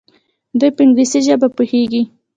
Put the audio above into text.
دوی په انګلیسي ژبه پوهیږي.